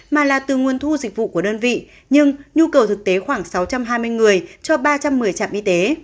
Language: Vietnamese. mà là từ nguồn thu dịch vụ của đơn vị nhưng nhu cầu thực tế khoảng sáu trăm hai mươi người cho ba trăm một mươi trạm y tế